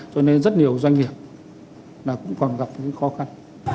cho nên rất nhiều doanh nghiệp cũng còn gặp những khó khăn